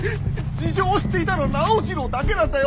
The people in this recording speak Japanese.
事情を知っていたのは直次郎だけなんだよ！